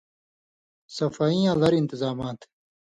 صفائی یاں لر انتظامات۔